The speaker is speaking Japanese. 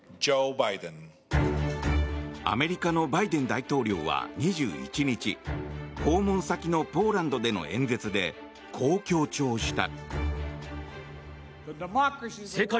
アメリカのバイデン大統領は２１日訪問先のポーランドでの演説でこう強調した。